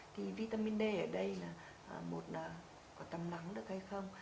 thì vitamin d ở đây là một có tầm nắng được hay không